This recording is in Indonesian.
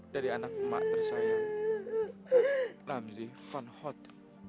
dari anak emak tersayang ramji van hout